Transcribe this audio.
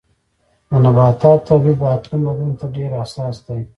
د نباتاتو تولید د اقلیم بدلون ته ډېر حساس دی.